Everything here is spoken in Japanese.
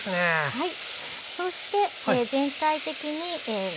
はい。